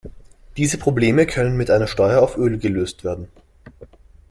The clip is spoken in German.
Diese Probleme können mit einer Steuer auf Öl gelöst werden.